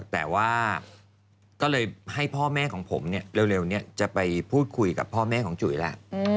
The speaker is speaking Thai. แต่ว่าก็เลยให้พ่อแม่ของผมเร็วนี้จะไปพูดคุยกับพ่อแม่ของจุ๋ยแล้ว